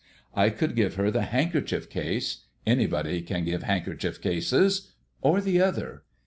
I could give her the handkerchief case anybody can give handkerchief cases or the other.